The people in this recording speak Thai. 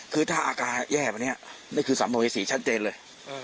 คือถ้าอาการแย่กว่านี้นี่คือสัมภเวษีชัดเจนเลย